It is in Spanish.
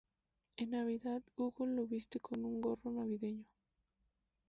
En Navidad, Google lo viste con un gorro navideño.